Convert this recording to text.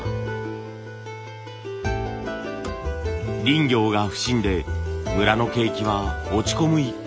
林業が不振で村の景気は落ち込む一方。